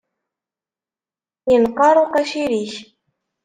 Yenqer uqacir-ik.